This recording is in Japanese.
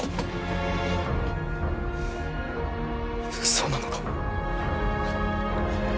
そうなのか？